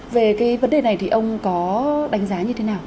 về cái vấn đề này thì ông có đánh giá như thế nào